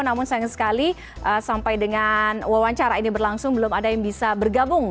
namun sayang sekali sampai dengan wawancara ini berlangsung belum ada yang bisa bergabung